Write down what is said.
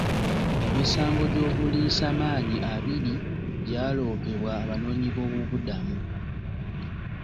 Emisango gy'obulisamaanyi abiri gya loopebwa Abanoonyi boobubudamu.